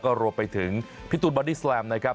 ก็รวมไปถึงพิธุบอดี้สแลมนะครับ